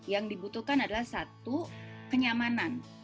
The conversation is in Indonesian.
yang dibutuhkan adalah satu kenyamanan